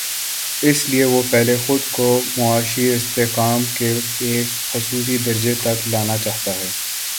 اس لیے وہ پہلے خود کو معاشی استحکام کے ایک خاص درجے تک لا نا چاہتا ہے۔